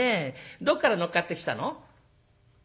どっから乗っかってきたの？」。